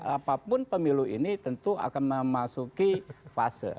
apapun pemilu ini tentu akan memasuki fase